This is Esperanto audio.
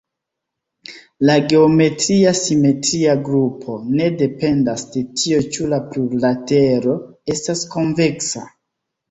La geometria simetria grupo ne dependas de tio ĉu la plurlatero estas konveksa.